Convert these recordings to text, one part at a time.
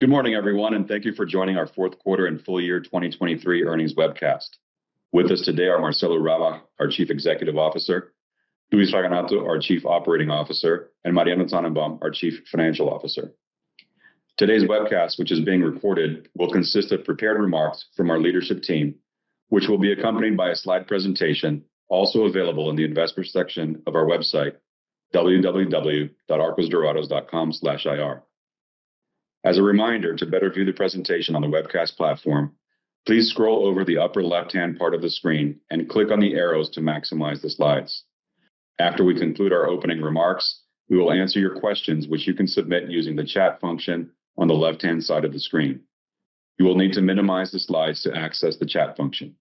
Good morning, everyone, and thank you for joining our Q4 and full year 2023 earnings webcast. With us today are Marcelo Rabach, our Chief Executive Officer, Luis Raganato, our Chief Operating Officer, and Mariano Tannenbaum, our Chief Financial Officer. Today's webcast, which is being recorded, will consist of prepared remarks from our leadership team, which will be accompanied by a slide presentation also available in the investors section of our website, www.arcosdorados.com/ir. As a reminder to better view the presentation on the webcast platform, please scroll over the upper left-hand part of the screen and click on the arrows to maximize the slides. After we conclude our opening remarks, we will answer your questions, which you can submit using the chat function on the left-hand side of the screen. You will need to minimize the slides to access the chat function.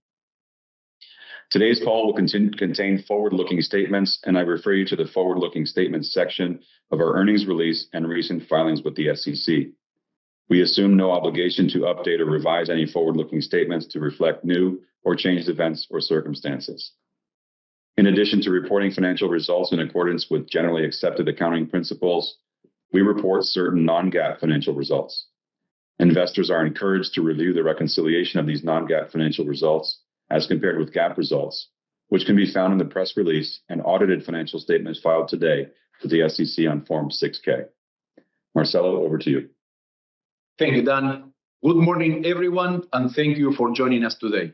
Today's call will contain forward-looking statements, and I refer you to the forward-looking statements section of our earnings release and recent filings with the SEC. We assume no obligation to update or revise any forward-looking statements to reflect new or changed events or circumstances. In addition to reporting financial results in accordance with generally accepted accounting principles, we report certain non-GAAP financial results. Investors are encouraged to review the reconciliation of these non-GAAP financial results as compared with GAAP results, which can be found in the press release and audited financial statements filed today to the SEC on Form 6-K. Marcelo, over to you. Thank you, Dan. Good morning, everyone, and thank you for joining us today.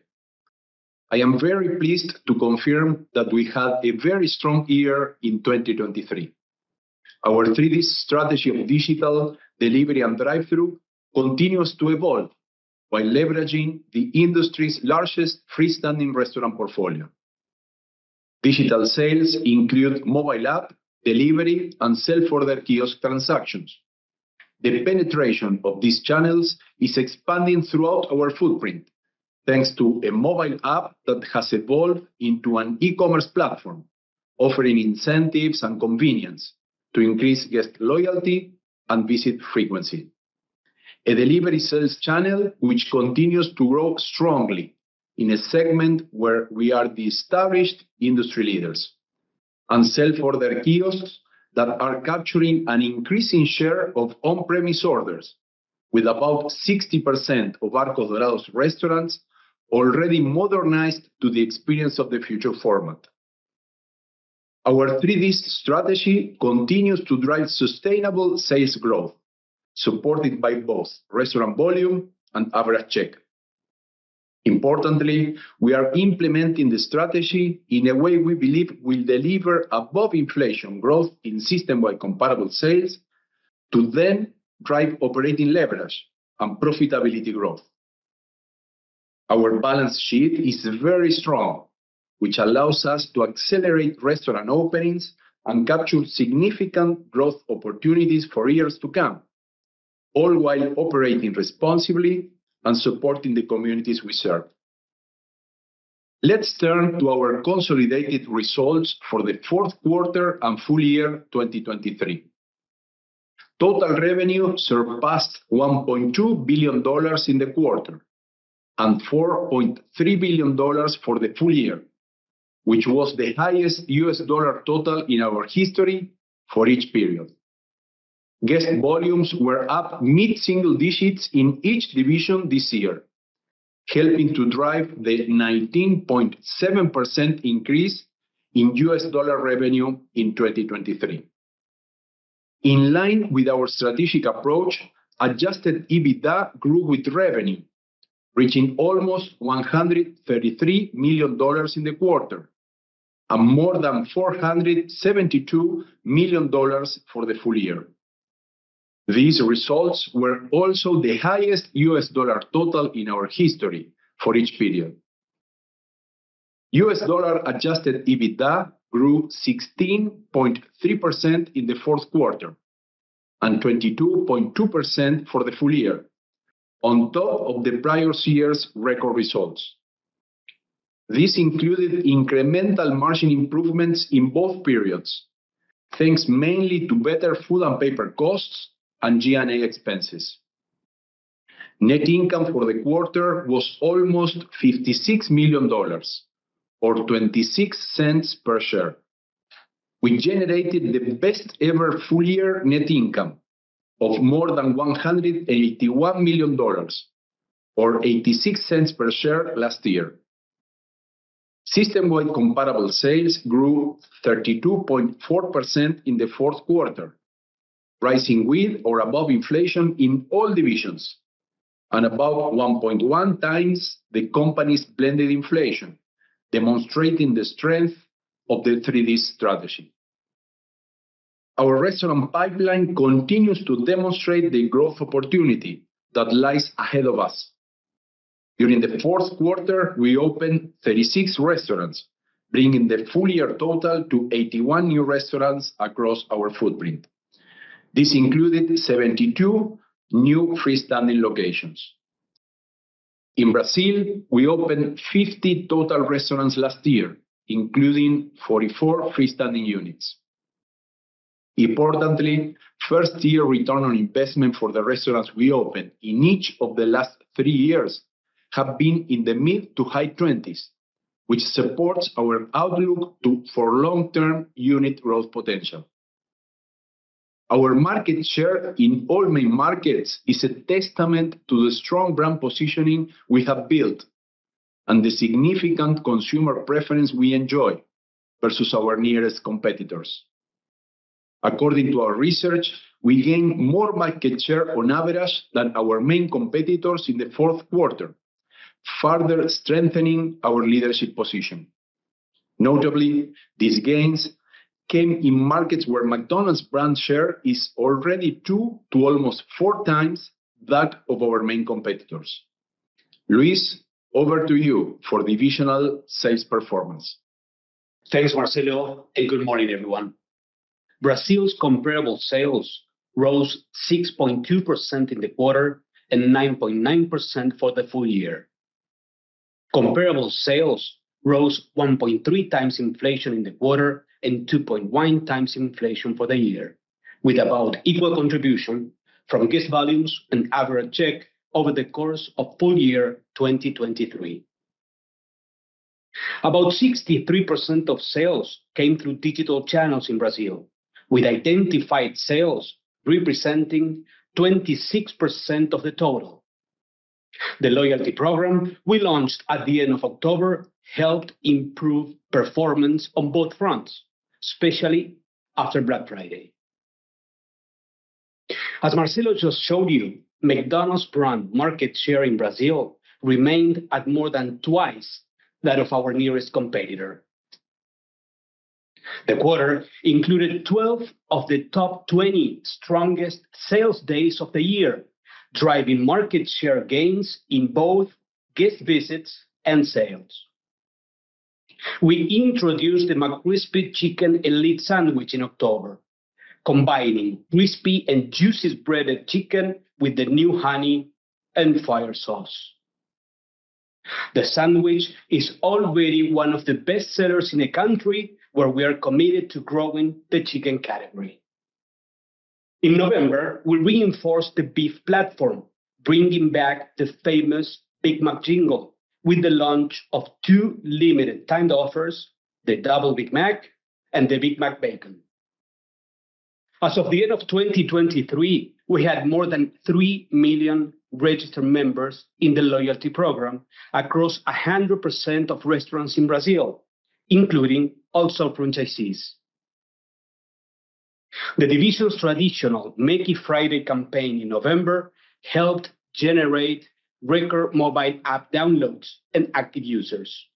I am very pleased to confirm that we had a very strong year in 2023. Our 3D Strategy of digital delivery and drive-through continues to evolve while leveraging the industry's largest freestanding restaurant portfolio. Digital sales include mobile app delivery and self-order kiosk transactions. The penetration of these channels is expanding throughout our footprint thanks to a mobile app that has evolved into an e-commerce platform offering incentives and convenience to increase guest loyalty and visit frequency. A delivery sales channel which continues to grow strongly in a segment where we are the established industry leaders, and self-order kiosks that are capturing an increasing share of on-premise orders, with about 60% of Arcos Dorados restaurants already modernized to the Experience of the Future format. Our 3D Strategy continues to drive sustainable sales growth, supported by both restaurant volume and average check. Importantly, we are implementing the strategy in a way we believe will deliver above-inflation growth in system-wide comparable sales to then drive operating leverage and profitability growth. Our balance sheet is very strong, which allows us to accelerate restaurant openings and capture significant growth opportunities for years to come, all while operating responsibly and supporting the communities we serve. Let's turn to our consolidated results for the Q4 and full year 2023. Total revenue surpassed $1.2 billion in the quarter and $4.3 billion for the full year, which was the highest U.S. dollar total in our history for each period. Guest volumes were up mid-single digits in each division this year, helping to drive the 19.7% increase in U.S. dollar revenue in 2023. In line with our strategic approach, Adjusted EBITDA grew with revenue, reaching almost $133 million in the quarter and more than $472 million for the full year. These results were also the highest U.S. dollar total in our history for each period. U.S. dollar Adjusted EBITDA grew 16.3% in the Q4 and 22.2% for the full year, on top of the prior year's record results. This included incremental margin improvements in both periods, thanks mainly to better food and paper costs and G&A expenses. Net income for the quarter was almost $56 million or $0.26 per share. We generated the best-ever full-year net income of more than $181 million or $0.86 per share last year. System-wide comparable sales grew 32.4% in the Q4, rising with or above inflation in all divisions and about 1.1 times the company's blended inflation, demonstrating the strength of the 3D Strategy. Our restaurant pipeline continues to demonstrate the growth opportunity that lies ahead of us. During the Q4, we opened 36 restaurants, bringing the full-year total to 81 new restaurants across our footprint. This included 72 new freestanding locations. In Brazil, we opened 50 total restaurants last year, including 44 freestanding units. Importantly, first-year return on investment for the restaurants we opened in each of the last three years has been in the mid- to high 20s, which supports our outlook for long-term unit growth potential. Our market share in all main markets is a testament to the strong brand positioning we have built and the significant consumer preference we enjoy versus our nearest competitors. According to our research, we gained more market share on average than our main competitors in the Q4, further strengthening our leadership position. Notably, these gains came in markets where McDonald's brand share is already two to almost four times that of our main competitors. Luis, over to you for divisional sales performance. Thanks, Marcelo, and good morning, everyone. Brazil's comparable sales rose 6.2% in the quarter and 9.9% for the full year. Comparable sales rose 1.3x inflation in the quarter and 2.1x inflation for the year, with about equal contribution from guest volumes and average check over the course of full year 2023. About 63% of sales came through digital channels in Brazil, with identified sales representing 26% of the total. The loyalty program we launched at the end of October helped improve performance on both fronts, especially after Black Friday. As Marcelo just showed you, McDonald's brand market share in Brazil remained at more than twice that of our nearest competitor. The quarter included 12 of the top 20 strongest sales days of the year, driving market share gains in both guest visits and sales. We introduced the McCrispy Chicken Elite Sandwich in October, combining crispy and juicy breaded chicken with the new Honey & Fire sauce. The sandwich is already one of the bestsellers in a country where we are committed to growing the chicken category. In November, we reinforced the beef platform, bringing back the famous Big Mac jingle with the launch of two limited-time offers, the Double Big Mac and the Big Mac Bacon. As of the end of 2023, we had more than three million registered members in the loyalty program across 100% of restaurants in Brazil, including also franchisees. The divisional traditional Méqui Friday campaign in November helped generate record mobile app downloads and active users.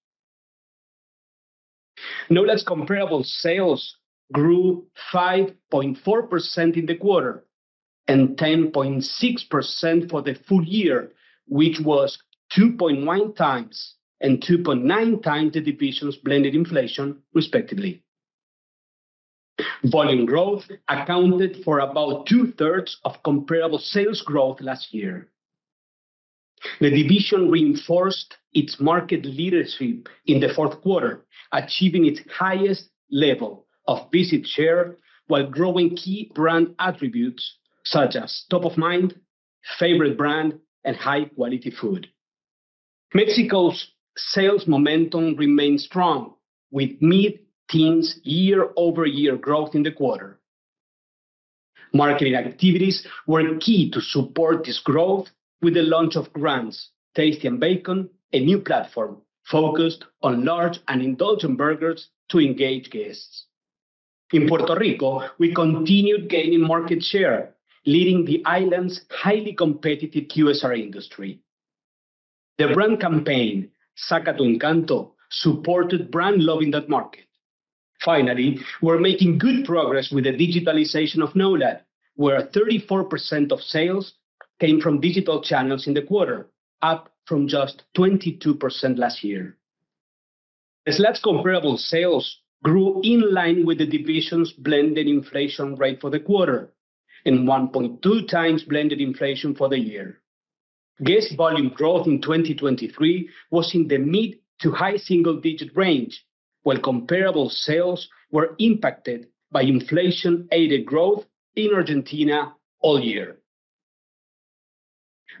NOLAD's comparable sales grew 5.4% in the quarter and 10.6% for the full year, which was 2.1x and 2.9x the division's blended inflation, respectively. Volume growth accounted for about two-thirds of comparable sales growth last year. The division reinforced its market leadership in the Q4, achieving its highest level of visit share while growing key brand attributes such as top-of-mind, favorite brand, and high-quality food. Mexico's sales momentum remained strong, with mid-teens year-over-year growth in the quarter. Marketing activities were key to support this growth with the launch of Grand Tasty and Bacon, a new platform focused on large and indulgent burgers to engage guests. In Puerto Rico, we continued gaining market share, leading the island's highly competitive QSR industry. The brand campaign Saca Tu Encanto supported brand love in that market. Finally, we're making good progress with the digitalization of NOLAD, where 34% of sales came from digital channels in the quarter, up from just 22% last year. The comparable sales grew in line with the division's blended inflation rate for the quarter and 1.2x blended inflation for the year. Guest volume growth in 2023 was in the mid- to high-single-digit range, while comparable sales were impacted by inflation-aided growth in Argentina all year.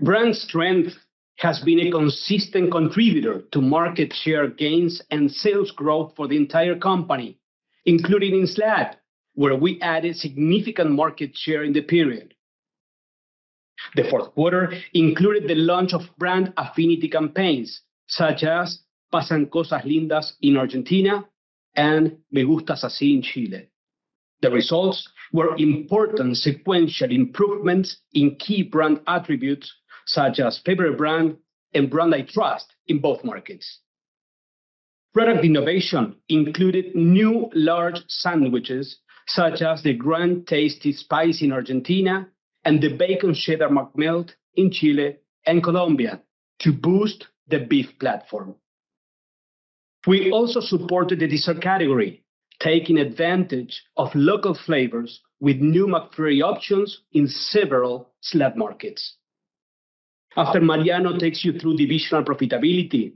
Brand strength has been a consistent contributor to market share gains and sales growth for the entire company, including in SLAD, where we added significant market share in the period. The Q4 included the launch of brand affinity campaigns such as Pasan Cosas Lindas in Argentina and Me Gusta Así in Chile. The results were important sequential improvements in key brand attributes such as favorite brand and brand I trust in both markets. Product innovation included new large sandwiches such as the Grand Tasty Spicy in Argentina and the Bacon Cheddar McMelt in Chile and Colombia to boost the beef platform. We also supported the dessert category, taking advantage of local flavors with new McFlurry options in several SLAD markets. After Mariano takes you through divisional profitability,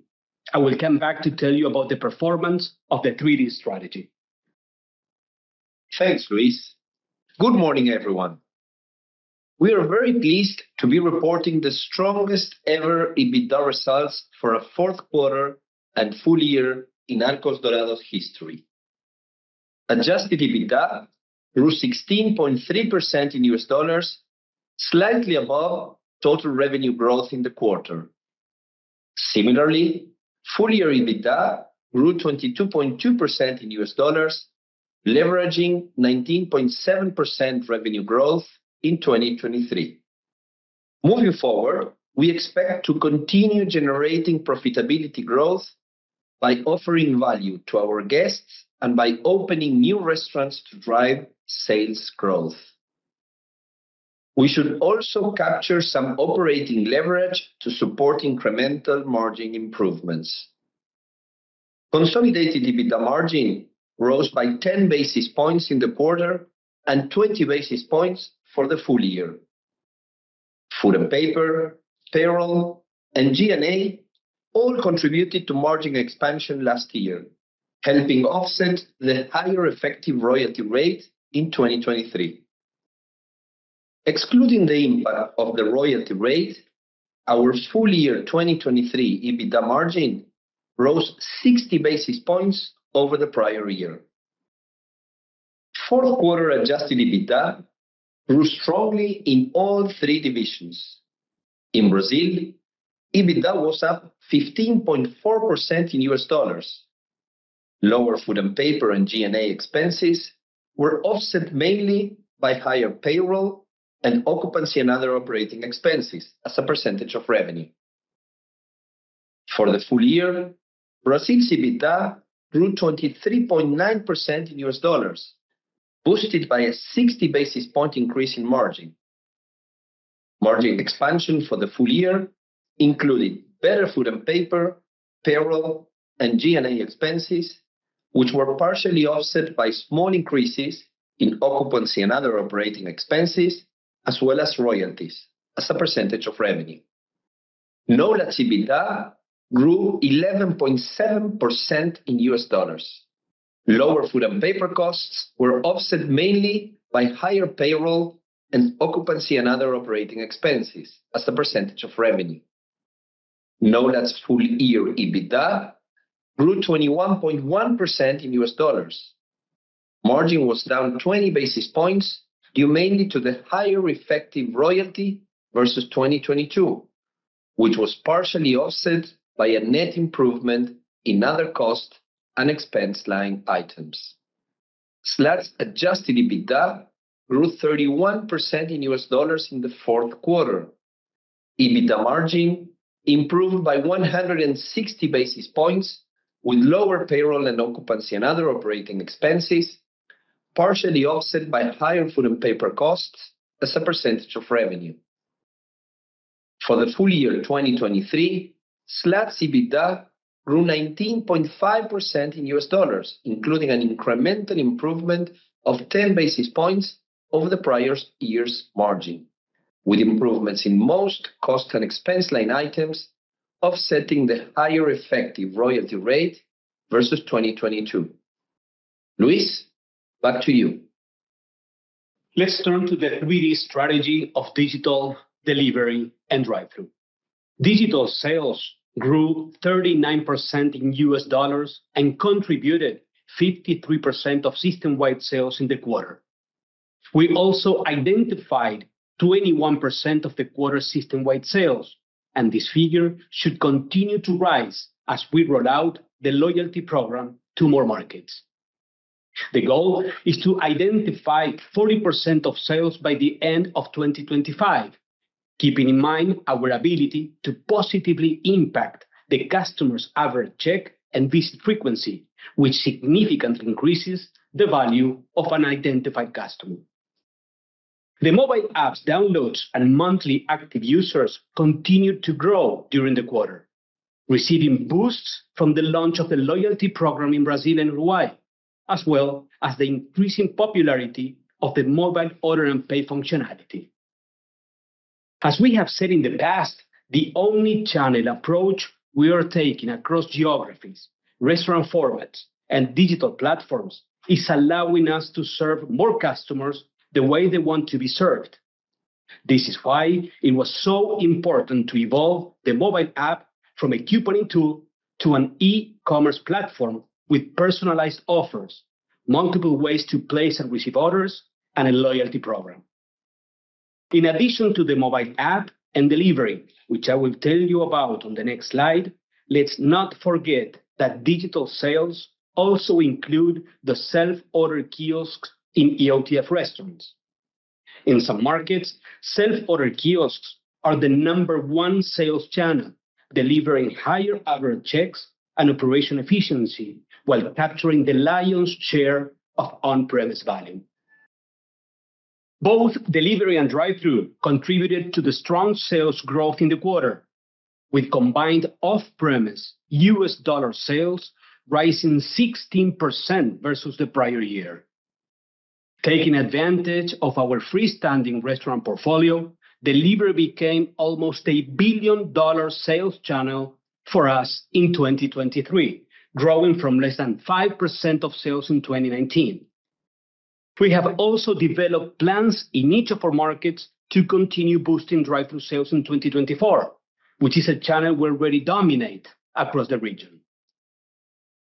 I will come back to tell you about the performance of the 3D Strategy. Thanks, Luis. Good morning, everyone. We are very pleased to be reporting the strongest-ever EBITDA results for a Q4 and full year in Arcos Dorados history. Adjusted EBITDA grew 16.3% in U.S. dollars, slightly above total revenue growth in the quarter. Similarly, full-year EBITDA grew 22.2% in U.S. dollars, leveraging 19.7% revenue growth in 2023. Moving forward, we expect to continue generating profitability growth by offering value to our guests and by opening new restaurants to drive sales growth. We should also capture some operating leverage to support incremental margin improvements. Consolidated EBITDA margin rose by 10 basis points in the quarter and 20 basis points for the full year. Food and paper, payroll, and G&A all contributed to margin expansion last year, helping offset the higher effective royalty rate in 2023. Excluding the impact of the royalty rate, our full-year 2023 EBITDA margin rose 60 basis points over the prior year. Q4 adjusted EBITDA grew strongly in all three divisions. In Brazil, EBITDA was up 15.4% in U.S. dollars. Lower food and paper and G&A expenses were offset mainly by higher payroll and occupancy and other operating expenses as a percentage of revenue. For the full year, Brazil's EBITDA grew 23.9% in U.S. dollars, boosted by a 60 basis point increase in margin. Margin expansion for the full year included better food and paper, payroll, and G&A expenses, which were partially offset by small increases in occupancy and other operating expenses, as well as royalties as a percentage of revenue. NOLAD's EBITDA grew 11.7% in U.S. dollars. Lower food and paper costs were offset mainly by higher payroll and occupancy and other operating expenses as a percentage of revenue. NOLAD's full-year EBITDA grew 21.1% in U.S. dollars. Margin was down 20 basis points, due mainly to the higher effective royalty versus 2022, which was partially offset by a net improvement in other cost and expense line items. SLAD's adjusted EBITDA grew 31% in U.S. dollars in the fourth quarter. EBITDA margin improved by 160 basis points, with lower payroll and occupancy and other operating expenses partially offset by higher food and paper costs as a percentage of revenue. For the full year 2023, SLAD's EBITDA grew 19.5% in U.S. dollars, including an incremental improvement of 10 basis points over the prior year's margin, with improvements in most cost and expense line items offsetting the higher effective royalty rate versus 2022. Luis, back to you. Let's turn to the 3D Strategy of digital delivery and drive-through. Digital sales grew 39% in U.S. dollars and contributed 53% of system-wide sales in the quarter. We also identified 21% of the quarter's system-wide sales, and this figure should continue to rise as we roll out the loyalty program to more markets. The goal is to identify 40% of sales by the end of 2025, keeping in mind our ability to positively impact the customer's average check and visit frequency, which significantly increases the value of an identified customer. The mobile app's downloads and monthly active users continued to grow during the quarter, receiving boosts from the launch of the loyalty program in Brazil and Uruguay, as well as the increasing popularity of the mobile order and pay functionality. As we have said in the past, the omnichannel approach we are taking across geographies, restaurant formats, and digital platforms is allowing us to serve more customers the way they want to be served. This is why it was so important to evolve the mobile app from a couponing tool to an e-commerce platform with personalized offers, multiple ways to place and receive orders, and a loyalty program. In addition to the mobile app and delivery, which I will tell you about on the next slide, let's not forget that digital sales also include the self-order kiosks in EOTF restaurants. In some markets, self-order kiosks are the number one sales channel, delivering higher average checks and operation efficiency while capturing the lion's share of on-premise volume. Both delivery and drive-through contributed to the strong sales growth in the quarter, with combined off-premise U.S. dollar sales rising 16% versus the prior year. Taking advantage of our freestanding restaurant portfolio, delivery became almost a billion-dollar sales channel for us in 2023, growing from less than 5% of sales in 2019. We have also developed plans in each of our markets to continue boosting drive-through sales in 2024, which is a channel we already dominate across the region.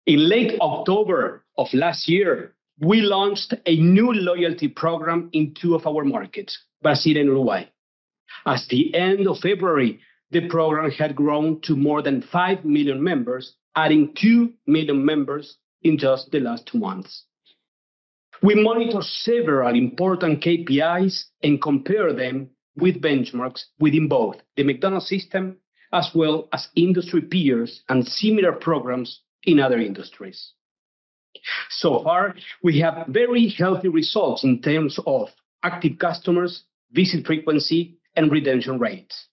In late October of last year, we launched a new loyalty program in two of our markets, Brazil and Uruguay. As of the end of February, the program had grown to more than 5 million members, adding 2 million members in just the last two months. We monitor several important KPIs and compare them with benchmarks within both the McDonald's system as well as industry peers and similar programs in other industries. So far, we have very healthy results in terms of active customers, visit frequency, and redemption rates.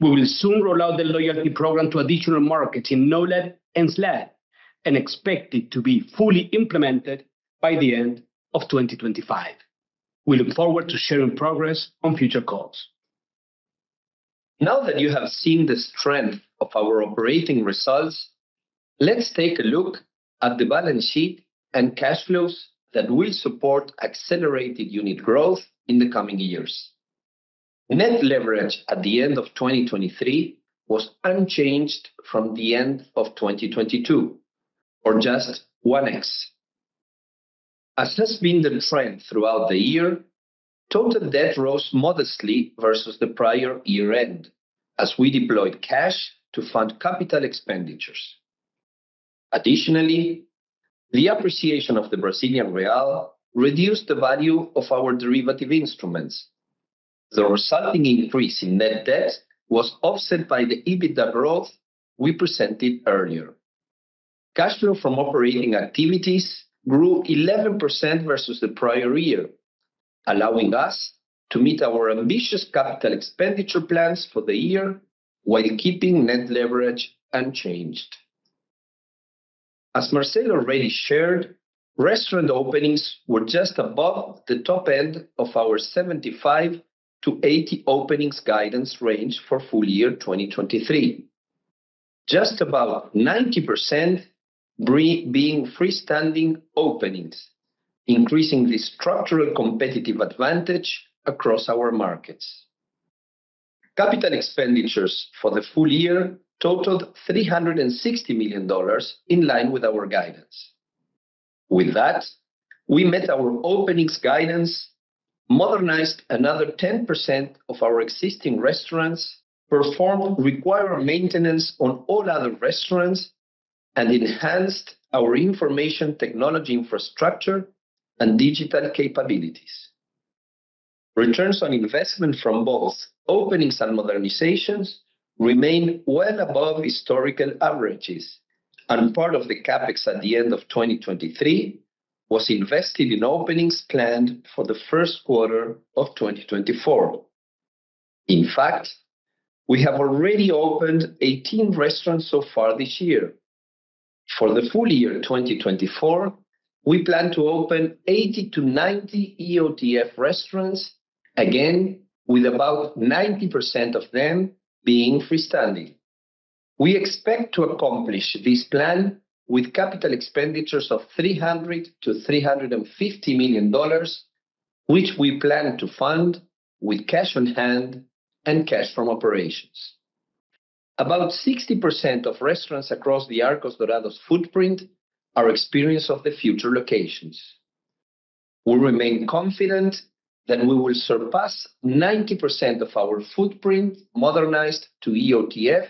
We will soon roll out the loyalty program to additional markets in NOLAD and SLAD and expect it to be fully implemented by the end of 2025. We look forward to sharing progress on future calls. Now that you have seen the strength of our operating results, let's take a look at the balance sheet and cash flows that will support accelerated unit growth in the coming years. Net Leverage at the end of 2023 was unchanged from the end of 2022, or just 1x. As has been the trend throughout the year, total debt rose modestly versus the prior year-end as we deployed cash to fund capital expenditures. Additionally, the appreciation of the Brazilian real reduced the value of our derivative instruments. The resulting increase in net debt was offset by the EBITDA growth we presented earlier. Cash flow from operating activities grew 11% versus the prior year, allowing us to meet our ambitious capital expenditure plans for the year while keeping net leverage unchanged. As Marcelo already shared, restaurant openings were just above the top end of our 75-80 openings guidance range for full year 2023, just about 90% being freestanding openings, increasing the structural competitive advantage across our markets. Capital expenditures for the full year totaled $360 million in line with our guidance. With that, we met our openings guidance, modernized another 10% of our existing restaurants, performed required maintenance on all other restaurants, and enhanced our information technology infrastructure and digital capabilities. Returns on investment from both openings and modernizations remain well above historical averages, and part of the CapEx at the end of 2023 was invested in openings planned for the first quarter of 2024. In fact, we have already opened 18 restaurants so far this year. For the full year 2024, we plan to open 80-90 EOTF restaurants, again with about 90% of them being freestanding. We expect to accomplish this plan with capital expenditures of $300-$350 million, which we plan to fund with cash on hand and cash from operations. About 60% of restaurants across the Arcos Dorados footprint are Experience of the Future locations. We remain confident that we will surpass 90% of our footprint modernized to EOTF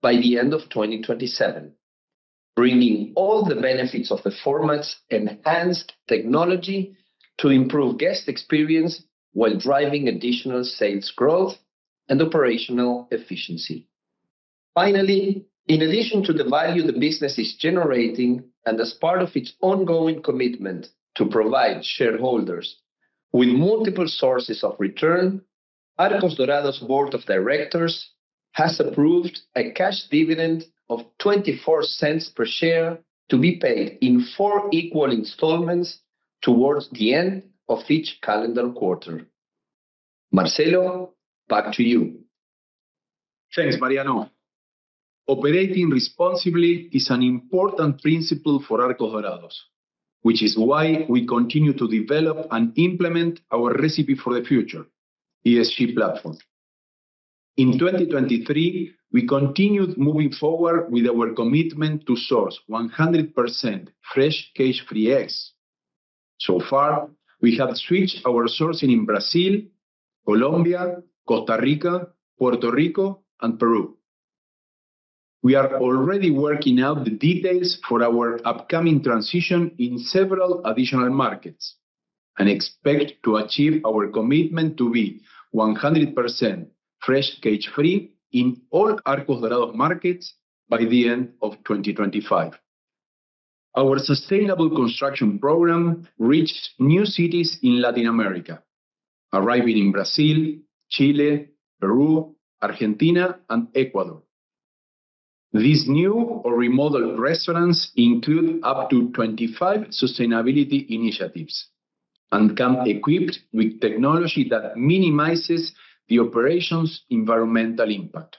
by the end of 2027, bringing all the benefits of the format's enhanced technology to improve guest experience while driving additional sales growth and operational efficiency. Finally, in addition to the value the business is generating and as part of its ongoing commitment to provide shareholders with multiple sources of return, Arcos Dorados Board of Directors has approved a cash dividend of $0.24 per share to be paid in four equal installments towards the end of each calendar quarter. Marcelo, back to you. Thanks, Mariano. Operating responsibly is an important principle for Arcos Dorados, which is why we continue to develop and implement our Recipe for the Future ESG platform. In 2023, we continued moving forward with our commitment to source 100% fresh cage-free eggs. So far, we have switched our sourcing in Brazil, Colombia, Costa Rica, Puerto Rico, and Peru. We are already working out the details for our upcoming transition in several additional markets and expect to achieve our commitment to be 100% fresh cage-free in all Arcos Dorados markets by the end of 2025. Our sustainable construction program reached new cities in Latin America, arriving in Brazil, Chile, Peru, Argentina, and Ecuador. These new or remodeled restaurants include up to 25 sustainability initiatives and come equipped with technology that minimizes the operation's environmental impact.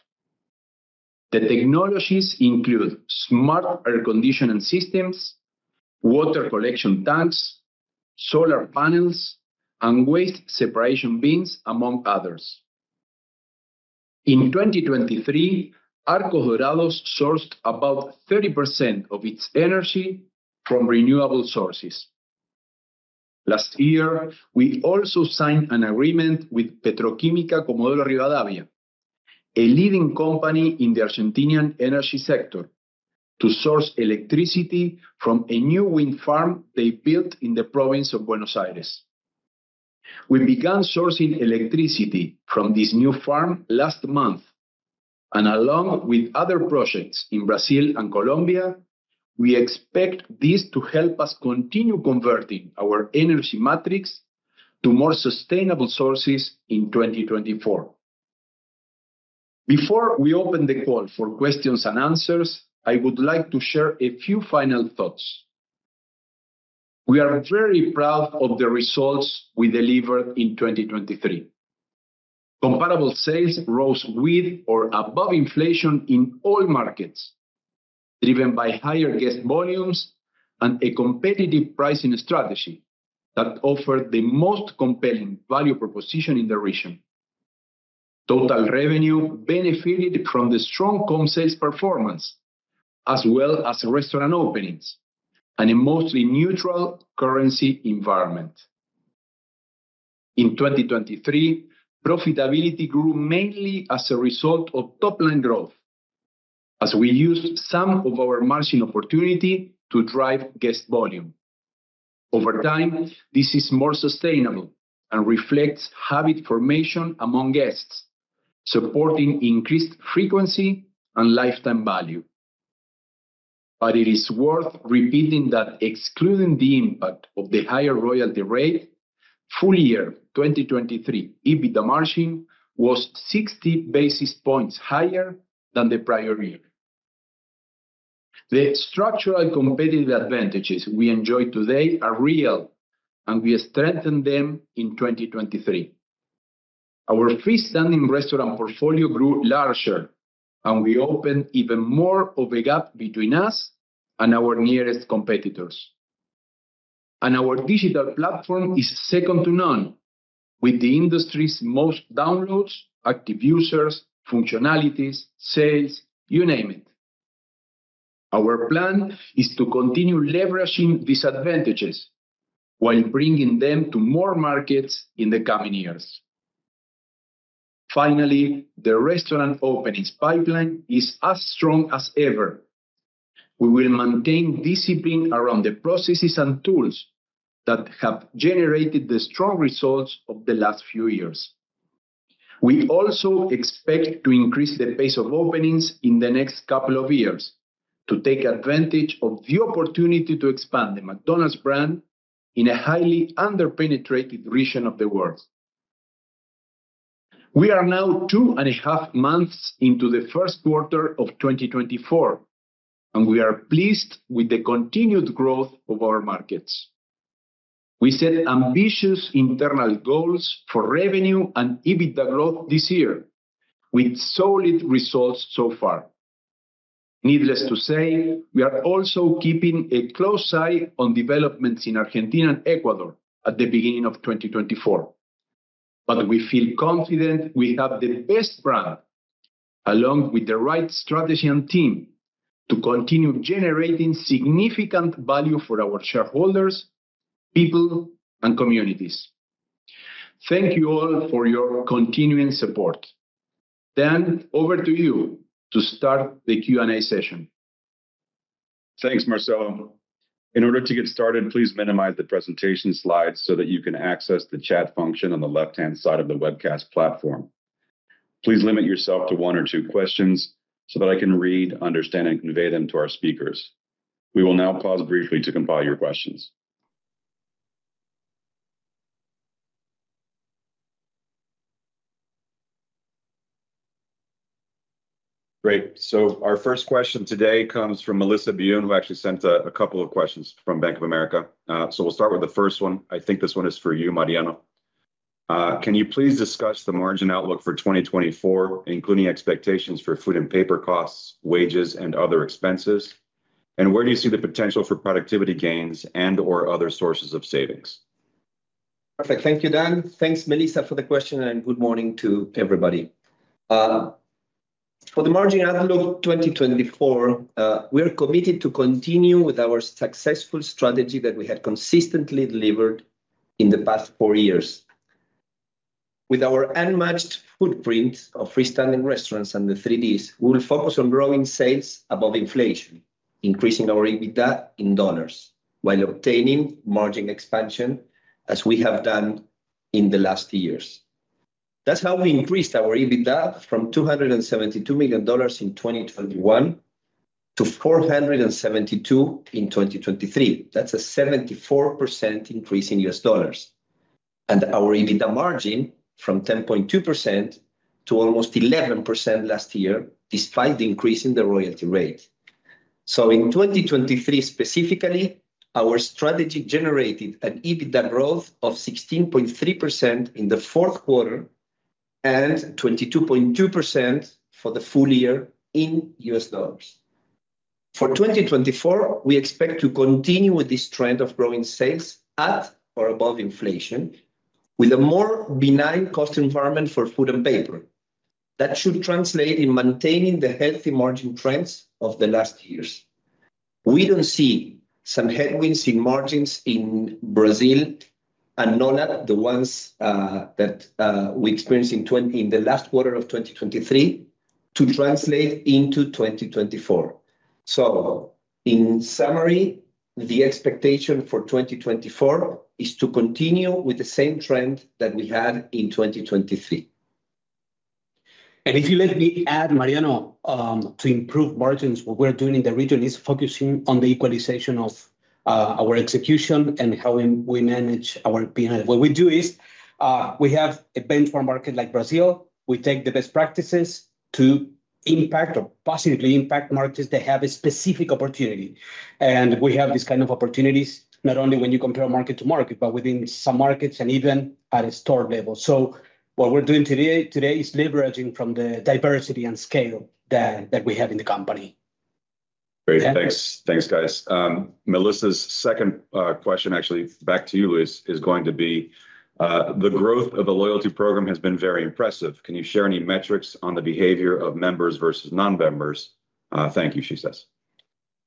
The technologies include smart air conditioning systems, water collection tanks, solar panels, and waste separation bins, among others. In 2023, Arcos Dorados sourced about 30% of its energy from renewable sources. Last year, we also signed an agreement with Petroquímica Comodoro Rivadavia, a leading company in the Argentinian energy sector, to source electricity from a new wind farm they built in the province of Buenos Aires. We began sourcing electricity from this new farm last month, and along with other projects in Brazil and Colombia, we expect this to help us continue converting our energy matrix to more sustainable sources in 2024. Before we open the call for questions and answers, I would like to share a few final thoughts. We are very proud of the results we delivered in 2023. Comparable sales rose with or above inflation in all markets, driven by higher guest volumes and a competitive pricing strategy that offered the most compelling value proposition in the region. Total revenue benefited from the strong comps sales performance, as well as restaurant openings and a mostly neutral currency environment. In 2023, profitability grew mainly as a result of top-line growth, as we used some of our margin opportunity to drive guest volume. Over time, this is more sustainable and reflects habit formation among guests, supporting increased frequency and lifetime value. But it is worth repeating that excluding the impact of the higher royalty rate, full year 2023 EBITDA margin was 60 basis points higher than the prior year. The structural competitive advantages we enjoy today are real, and we strengthened them in 2023. Our freestanding restaurant portfolio grew larger, and we opened even more of a gap between us and our nearest competitors. And our digital platform is second to none, with the industry's most downloads, active users, functionalities, sales, you name it. Our plan is to continue leveraging these advantages while bringing them to more markets in the coming years. Finally, the restaurant openings pipeline is as strong as ever. We will maintain discipline around the processes and tools that have generated the strong results of the last few years. We also expect to increase the pace of openings in the next couple of years to take advantage of the opportunity to expand the McDonald's brand in a highly underpenetrated region of the world. We are now two and a half months into the first quarter of 2024, and we are pleased with the continued growth of our markets. We set ambitious internal goals for revenue and EBITDA growth this year, with solid results so far. Needless to say, we are also keeping a close eye on developments in Argentina and Ecuador at the beginning of 2024. We feel confident we have the best brand, along with the right strategy and team, to continue generating significant value for our shareholders, people, and communities. Thank you all for your continuing support. Over to you to start the Q&A session. Thanks, Marcelo. In order to get started, please minimize the presentation slides so that you can access the chat function on the left-hand side of the webcast platform. Please limit yourself to one or two questions so that I can read, understand, and convey them to our speakers. We will now pause briefly to compile your questions. Great. Our first question today comes from Melissa Byun, who actually sent a couple of questions from Bank of America. We'll start with the first one. I think this one is for you, Mariano. Can you please discuss the margin outlook for 2024, including expectations for food and paper costs, wages, and other expenses? And where do you see the potential for productivity gains and/or other sources of savings? Perfect. Thank you, Dan. Thanks, Melissa, for the question, and good morning to everybody. For the margin outlook 2024, we are committed to continue with our successful strategy that we had consistently delivered in the past four years. With our unmatched footprint of freestanding restaurants and the 3Ds, we will focus on growing sales above inflation, increasing our EBITDA in dollars, while obtaining margin expansion as we have done in the last years. That's how we increased our EBITDA from $272 million in 2021 to $472 million in 2023. That's a 74% increase in U.S. dollars, and our EBITDA margin from 10.2% to almost 11% last year, despite increasing the royalty rate. So in 2023 specifically, our strategy generated an EBITDA growth of 16.3% in the fourth quarter and 22.2% for the full year in U.S. dollars. For 2024, we expect to continue with this trend of growing sales at or above inflation, with a more benign cost environment for food and paper. That should translate in maintaining the healthy margin trends of the last years. We don't see some headwinds in margins in Brazil and NOLAD, the ones that we experienced in the last quarter of 2023, to translate into 2024. So in summary, the expectation for 2024 is to continue with the same trend that we had in 2023. And if you let me add, Mariano, to improve margins, what we're doing in the region is focusing on the equalization of our execution and how we manage our P&L. What we do is we have a benchmark market like Brazil. We take the best practices to impact or positively impact markets that have a specific opportunity. We have these kind of opportunities not only when you compare market to market, but within some markets and even at a store level. What we're doing today is leveraging from the diversity and scale that we have in the company. Great. Thanks, guys. Melissa's second question, actually, back to you, Luis, is going to be, "The growth of the loyalty program has been very impressive. Can you share any metrics on the behavior of members versus non-members? Thank you," she says.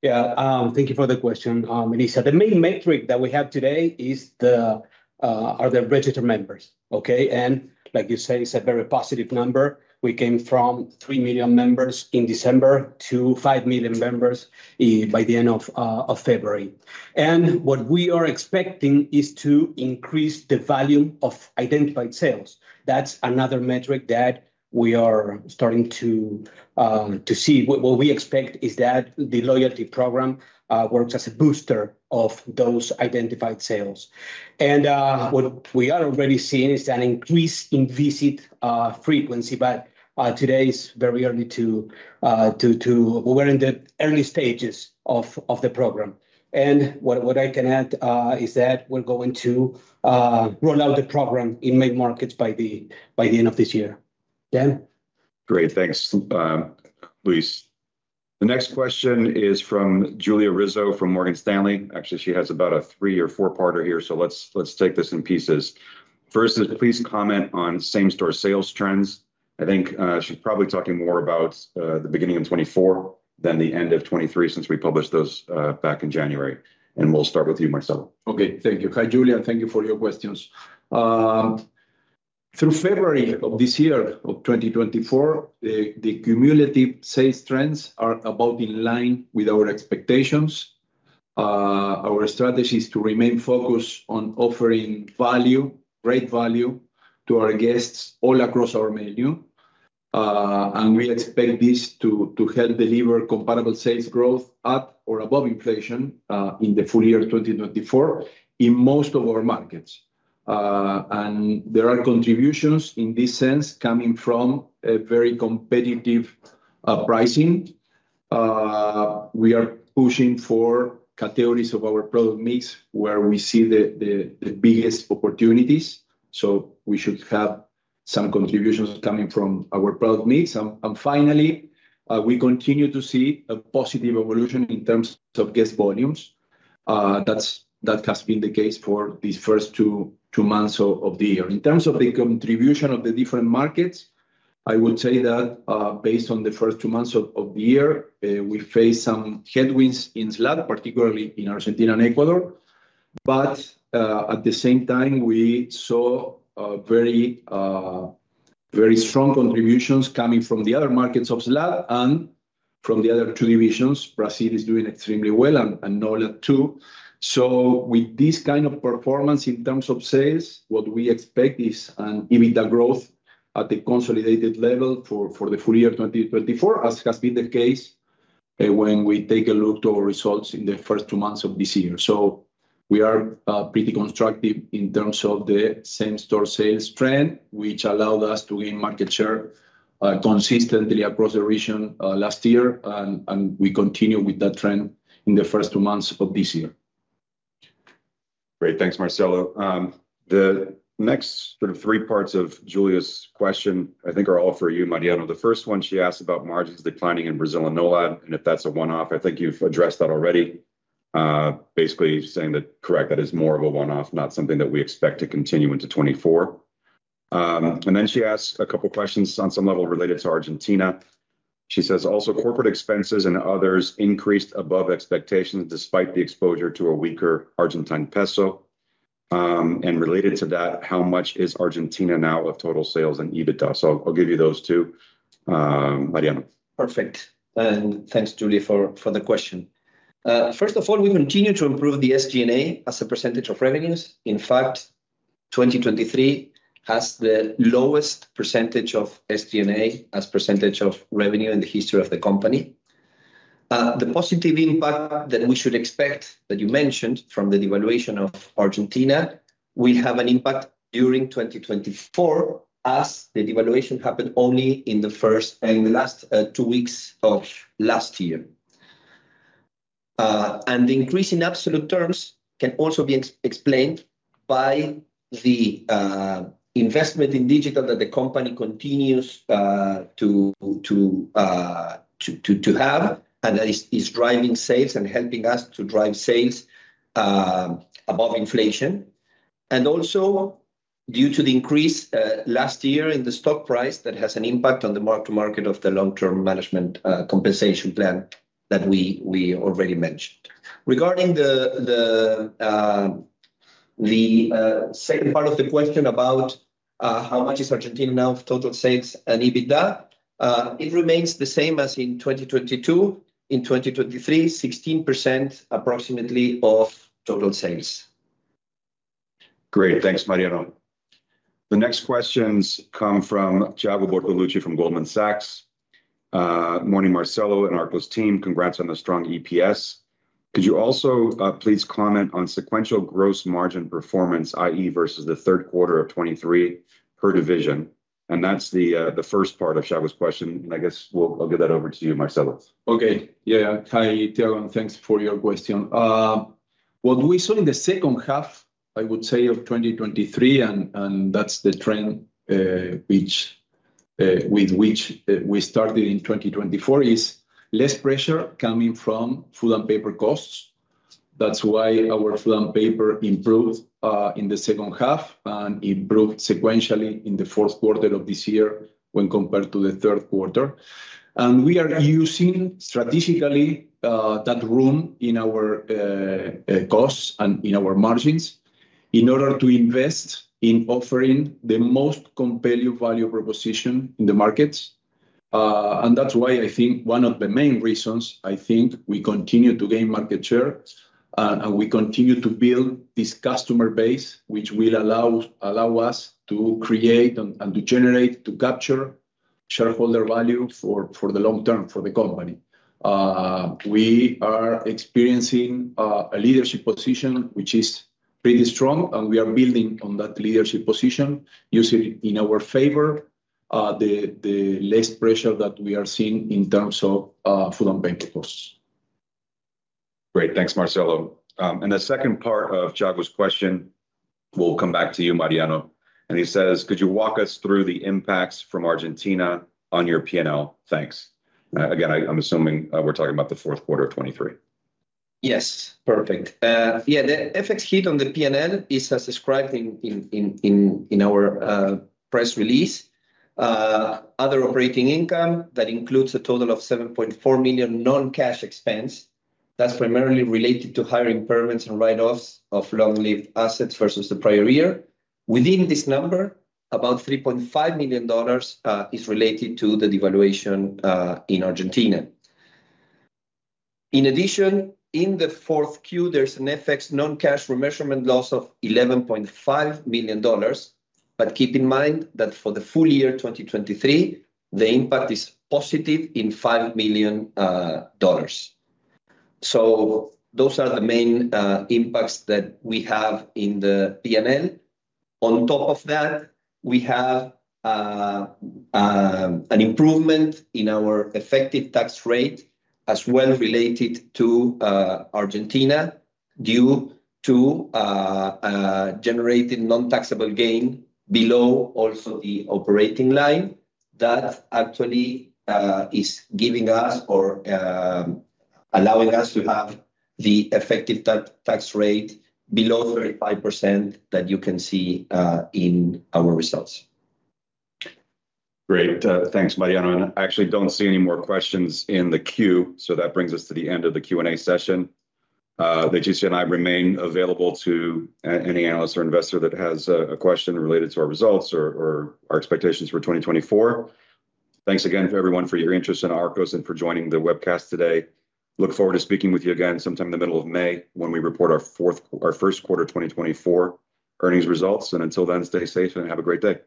Yeah. Thank you for the question, Melissa. The main metric that we have today are the registered members, okay? And like you say, it's a very positive number. We came from 3 million members in December to 5 million members by the end of February. And what we are expecting is to increase the volume of identified sales. That's another metric that we are starting to see. What we expect is that the loyalty program works as a booster of those identified sales. And what we are already seeing is an increase in visit frequency, but today is very early to we're in the early stages of the program. And what I can add is that we're going to roll out the program in many markets by the end of this year. Dan? Great. Thanks, Luis. The next question is from Julia Rizzo from Morgan Stanley. Actually, she has about a three or four-parter here, so let's take this in pieces. First is, "Please comment on same-store sales trends." I think she's probably talking more about the beginning of 2024 than the end of 2023 since we published those back in January. We'll start with you, Marcelo. Okay. Thank you. Hi, Julia. Thank you for your questions. Through February of this year, of 2024, the cumulative sales trends are about in line with our expectations. Our strategy is to remain focused on offering value, great value, to our guests all across our menu. We expect this to help deliver comparable sales growth at or above inflation in the full year 2024 in most of our markets. There are contributions in this sense coming from very competitive pricing. We are pushing for categories of our product mix where we see the biggest opportunities. We should have some contributions coming from our product mix. Finally, we continue to see a positive evolution in terms of guest volumes. That has been the case for these first two months of the year. In terms of the contribution of the different markets, I would say that based on the first two months of the year, we faced some headwinds in SLAD, particularly in Argentina and Ecuador. But at the same time, we saw very strong contributions coming from the other markets of SLAD and from the other two divisions. Brazil is doing extremely well, and NOLAD too. So with this kind of performance in terms of sales, what we expect is an EBITDA growth at the consolidated level for the full year 2024, as has been the case when we take a look to our results in the first two months of this year. So we are pretty constructive in terms of the same-store sales trend, which allowed us to gain market share consistently across the region last year. We continue with that trend in the first two months of this year. Great. Thanks, Marcelo. The next sort of three parts of Julia's question, I think, are all for you, Mariano. The first one, she asked about margins declining in Brazil and NOLAD, and if that's a one-off, I think you've addressed that already, basically saying that, correct, that is more of a one-off, not something that we expect to continue into 2024. And then she asked a couple of questions on some level related to Argentina. She says, "Also, corporate expenses and others increased above expectations despite the exposure to a weaker Argentine peso." And related to that, "How much is Argentina now of total sales and EBITDA?" So I'll give you those two, Mariano. Perfect. And thanks, Julia, for the question. First of all, we continue to improve the SG&A as a percentage of revenues. In fact, 2023 has the lowest percentage of SG&A as percentage of revenue in the history of the company. The positive impact that we should expect that you mentioned from the devaluation of Argentina, we'll have an impact during 2024 as the devaluation happened only in the first and the last two weeks of last year. The increase in absolute terms can also be explained by the investment in digital that the company continues to have and that is driving sales and helping us to drive sales above inflation. Also, due to the increase last year in the stock price, that has an impact on the mark-to-market of the long-term management compensation plan that we already mentioned. Regarding the second part of the question about how much is Argentina now of total sales and EBITDA, it remains the same as in 2022. In 2023, 16% approximately of total sales. Great. Thanks, Mariano. The next questions come from Thiago Bortolucci from Goldman Sachs. "Morning, Marcelo and Arcos' team. Congrats on the strong EPS. Could you also please comment on sequential gross margin performance, i.e., versus the third quarter of 2023 per division?" And that's the first part of Tiago's question. And I guess I'll give that over to you, Marcelo. Okay. Yeah, yeah. Hi, Tiago. And thanks for your question. What we saw in the second half, I would say, of 2023, and that's the trend with which we started in 2024, is less pressure coming from food and paper costs. That's why our food and paper improved in the second half and improved sequentially in the Q4 of this year when compared to the Q3. And we are using strategically that room in our costs and in our margins in order to invest in offering the most compelling value proposition in the markets. And that's why I think one of the main reasons, I think, we continue to gain market share and we continue to build this customer base, which will allow us to create and to generate, to capture shareholder value for the long term for the company. We are experiencing a leadership position, which is pretty strong, and we are building on that leadership position, using it in our favor, the less pressure that we are seeing in terms of food and paper costs. Great. Thanks, Marcelo. And the second part of Tiago's question will come back to you, Mariano. And he says, "Could you walk us through the impacts from Argentina on your P&L? Thanks." Again, I'm assuming we're talking about the Q4 of 2023. Yes. Perfect. Yeah, the effects hit on the P&L is as described in our press release. Other operating income, that includes a total of $7.4 million non-cash expense. That's primarily related to hiring permits and write-offs of long-lived assets versus the prior year. Within this number, about $3.5 million is related to the devaluation in Argentina. In addition, in the Q4, there's an effects non-cash remeasurement loss of $11.5 million. But keep in mind that for the full year 2023, the impact is positive $5 million. So those are the main impacts that we have in the P&L. On top of that, we have an improvement in our effective tax rate as well related to Argentina due to generating non-taxable gain below also the operating line that actually is giving us or allowing us to have the effective tax rate below 35% that you can see in our results. Great. Thanks, Mariano. I actually don't see any more questions in the queue, so that brings us to the end of the Q&A session. Leticia and I remain available to any analyst or investor that has a question related to our results or our expectations for 2024. Thanks again to everyone for your interest in Arcos and for joining the webcast today. Look forward to speaking with you again sometime in the middle of May when we report our Q1 2024 earnings results. Until then, stay safe and have a great day.